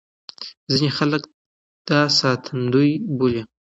ځينې خلک دا ساتندوی بولي.